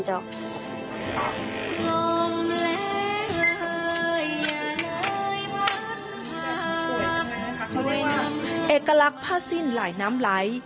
เอกลักษณ์ผ้าสิ้นหลายน้ำไร